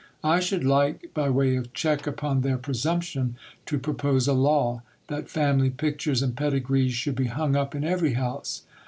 I should like, by way of check upon their presumption, to pro pose a law, that family pictures and pedigrees should be hung up in every house.